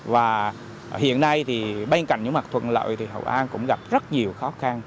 và hiện nay thì bên cạnh những mặt thuận lợi thì hậu an cũng gặp rất nhiều khó khăn